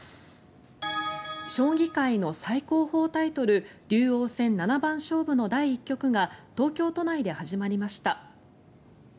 将棋界の最高峰タイトル竜王戦七番勝負の第１局が東京都内で始まりました。